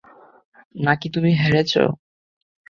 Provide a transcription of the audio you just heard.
নাকি তুমি হেরেছ?